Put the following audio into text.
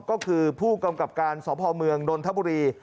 ก็คือผู้กำกับการสพเมืองนนทบุรี